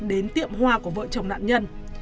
đến tiệm hoa của vợ chồng nạn nhân